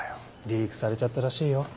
リークされちゃったらしいよ。